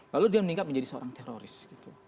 lalu dia meningkat menjadi seorang teroris gitu